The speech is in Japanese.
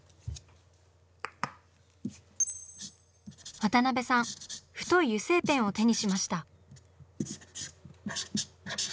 渡辺さん太い油性ペンを手にしました。